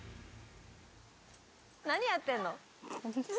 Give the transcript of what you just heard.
何やってんの？